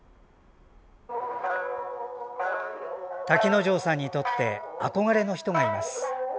瀧之丞さんにとって憧れの人がいます。